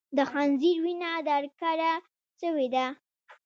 د خنځیر وینه در کډه سوې ده